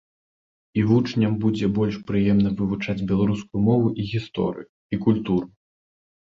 І вучням будзе больш прыемна вывучаць беларускую мову і гісторыю, і культуру.